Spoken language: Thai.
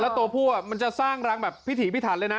แล้วตัวผู้มันจะสร้างรังแบบพิถีพิถันเลยนะ